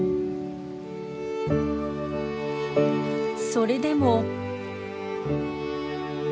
それでも。